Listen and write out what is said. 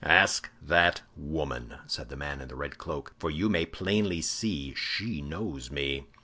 "Ask that woman," said the man in the red cloak, "for you may plainly see she knows me!"